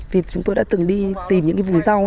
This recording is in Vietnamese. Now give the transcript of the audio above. vì chúng tôi đã từng đi tìm những cái vùng rau ấy